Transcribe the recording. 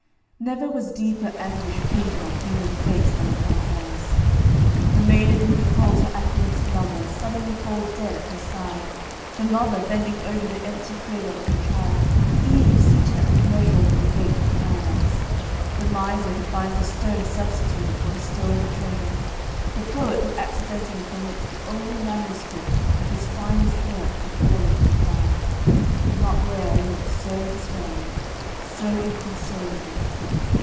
Never was deeper anguish painted on human face than upon hers. The maiden who beholds her affianced lover suddenly fall dead at her side, the mother bending over the empty cradle of her child, Eve seated at the threshold of the gate of Paradise, the miser who finds a stone substituted for his stolen treasure, the poet who accidentally permits the only manuscript of his finest work to fall into the fire, could not wear a look so despairing, so inconsolable.